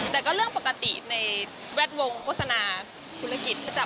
แต่ก็เรื่องปกติในแวดวงโฆษณาธุรกิจประจำ